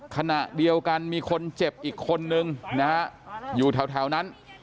ขณะเดียวกันมีคนเจ็บอีกคนนึงนะฮะอยู่แถวนั้น